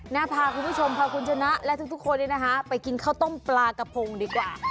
พาคุณผู้ชมพาคุณชนะและทุกคนไปกินข้าวต้มปลากระพงดีกว่า